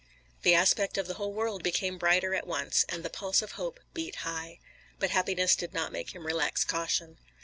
The aspect of the whole world became brighter at once, and the pulse of hope beat high. But happiness did not make him relax caution.